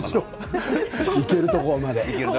いけるというところまで。